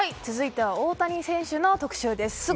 続いては大谷翔平選手の特集です。